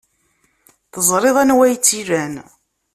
Teẓriḍ anwa ay tt-ilan.